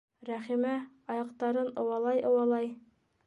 Рәхимә, аяҡтарын ыуалай-ыуалай: